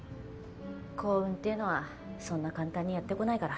幸運っていうのはそんな簡単にやってこないから。